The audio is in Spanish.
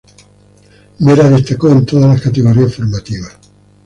Vera destacó en todas las categorías formativas.